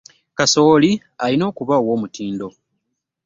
Kassoli alina okuba owomutindo.